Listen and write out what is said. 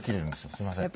すみません。